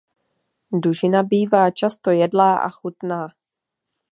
Dužina bývá často jedlá a chutná.